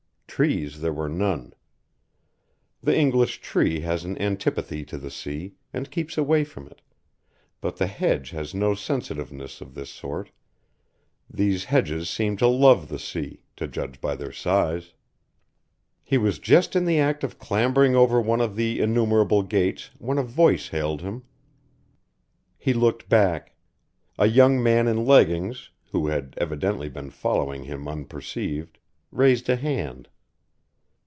Trees there were none. The English tree has an antipathy to the sea, and keeps away from it, but the hedge has no sensitiveness of this sort. These hedges seemed to love the sea, to judge by their size. He was just in the act of clambering over one of the innumerable gates when a voice hailed him. He looked back. A young man in leggings, who had evidently been following him unperceived, raised a hand.